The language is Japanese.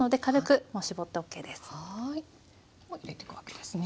もう入れていくわけですね。